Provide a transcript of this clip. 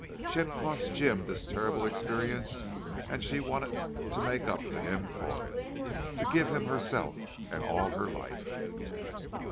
She had cost Jim this terrible experience and she wanted to make up to him for it, to give him herself and all her life.